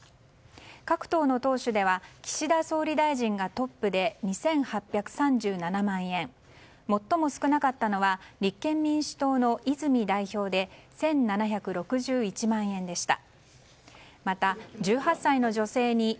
各党の党首では岸田総理大臣がトップで２８３７万円最も少なかったのは立憲民主党の泉代表で１７６１万円でした。